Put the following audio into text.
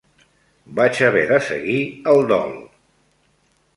Vaig haver de seguir el dol